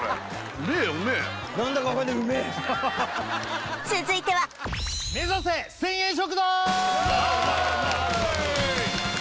うめえうめえ続いては目指せ１０００円食堂